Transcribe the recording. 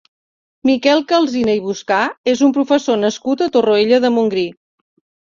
Miquel Calsina i Buscà és un professor nascut a Torroella de Montgrí.